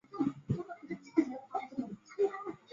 白木乌桕为大戟科乌桕属下的一个种。